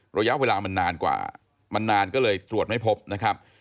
ระยะเวลามันนานกว่ามันนานก็เลยตรวจไม่พบนะครับ